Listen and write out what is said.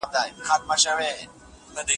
د کټاوېز پرِتاووس کې نڅېدونکې هره دنګه نجلۍ